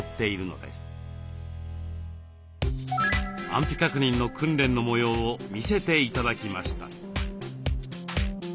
安否確認の訓練の模様を見せて頂きました。